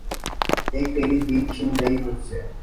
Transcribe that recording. اِک تیری دید چِھن گئی مجھ سے